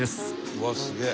うわっすげえ。